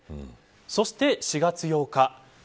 そして４月８日。